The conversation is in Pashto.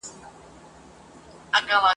چي ترانې مي ورته ویلې `